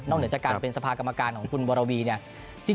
เหนือจากการเป็นสภากรรมการของคุณวรวีเนี่ย